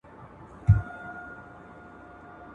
• د خپلي کوټې واوري پر بل اچوي.